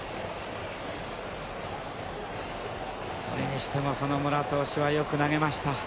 それにしても園村投手はよく投げました。